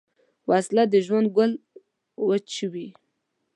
وسله د ژوند ګل وچوي